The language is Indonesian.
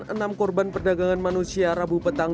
enam korban perdagangan manusia rabu petang